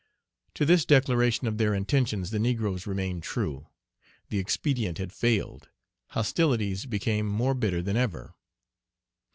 To this declaration of their intentions the negroes remained true. The expedient had failed. Hostilities became more bitter than ever.